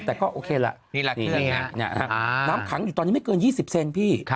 แต่ก็โอเคละนี่แหละน้ำขังอยู่ตอนนี้ไม่เกิน๒๐เซนพี่